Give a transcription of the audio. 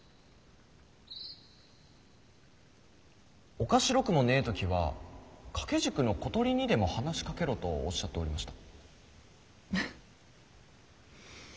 「おかしろくもねぇ時は掛け軸の小鳥にでも話しかけろ」とおっしゃっておりました。